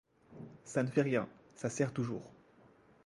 Ça ne fait rien, ça sert toujours.